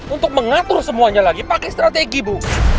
untuk mengatur semuanya lagi pakai strategi bu